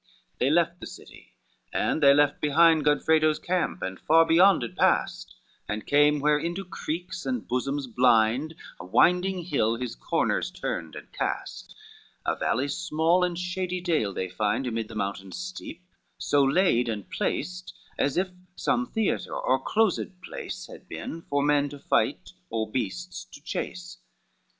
VII They left the city, and they left behind Godfredo's camp, and far beyond it passed, And came where into creeks and bosoms blind A winding hill his corners turned and cast, A valley small and shady dale they find Amid the mountains steep so laid and placed As if some theatre or closed place Had been for men to fight or beasts to chase.